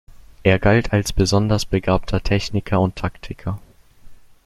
Er galt als besonders begabter Techniker und Taktiker.